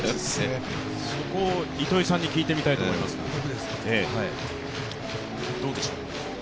そこを糸井さんに聞いてみたいと思いますが、どうでしょう。